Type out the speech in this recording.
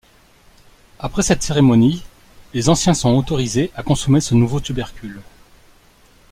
Après cette cérémonie, les anciens sont autorisés à consommer ce nouveau tubercule.